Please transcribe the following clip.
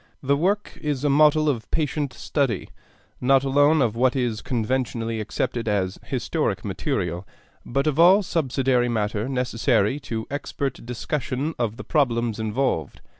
The work is a model of patient study, not alone of what is conventionally accepted as historic material, but of all subsidiary matter necessary to expert discussion of the problems involved.